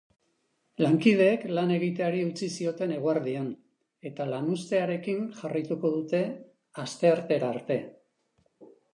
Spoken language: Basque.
Lankideek lan egiteari utzi zioten eguerdian, eta lanuztearekin jarraituko dute asteartera arte.